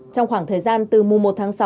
trong khoảng thời gian từ mùa một tháng sáu